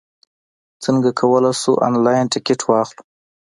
څنګه کولای شو، انلاین ټکټ واخلو؟